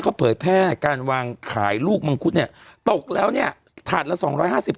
เขาเผยแพร่การวางขายลูกมังคุดเนี่ยตกแล้วเนี่ยถาดละสองร้อยห้าสิบ